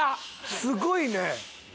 すごいね！